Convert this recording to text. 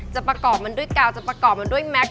จะประกอบมันด้วยกาวจะประกอบมันด้วยแม็กซ